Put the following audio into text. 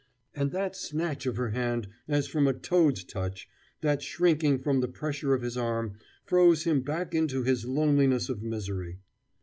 And that snatch of her hand as from a toad's touch, that shrinking from the pressure of his arm, froze him back into his loneliness of misery.